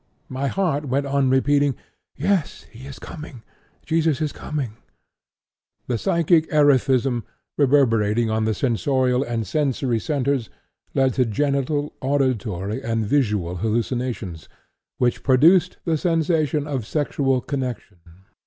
My heart went on repeating: "Yes, he is coming; Jesus is coming!"' The psychic erethism, reverberating on the sensorial and sensory centres, led to genital, auditory, and visual hallucinations, which produced the sensation of sexual connection.